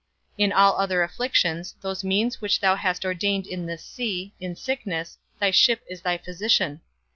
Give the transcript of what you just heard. In all other afflictions, those means which thou hast ordained in this sea, in sickness, thy ship is thy physician.